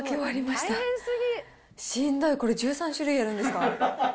しんどい、これ、１３種類やるんですか？